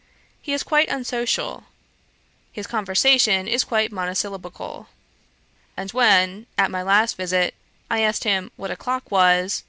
He is quite unsocial; his conversation is quite monosyllabical: and when, at my last visit, I asked him what a clock it was?